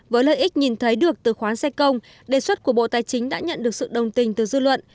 với lợi ích nhìn thấy được từ khoán xe công đề xuất của bộ tài chính đã nhận được sự đồng tình từ dư luận